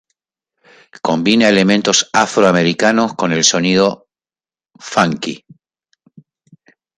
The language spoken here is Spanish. Combina elementos afroamericanos con el sonido funky.